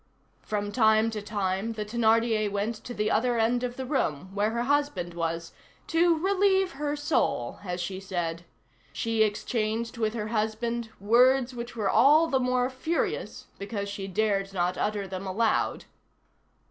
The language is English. From time to time the Thénardier went to the other end of the room where her husband was, to relieve her soul, as she said. She exchanged with her husband words which were all the more furious because she dared not utter them aloud.